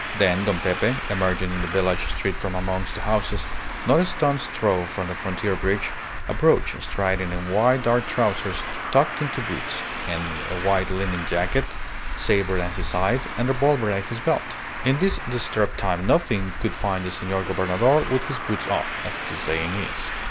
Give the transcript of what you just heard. Then Don Pepe, emerging in the village street from amongst the houses, not a stone's throw from the frontier bridge, approached, striding in wide dark trousers tucked into boots, a white linen jacket, sabre at his side, and revolver at his belt. In this disturbed time nothing could find the Senor Gobernador with his boots off, as the saying is.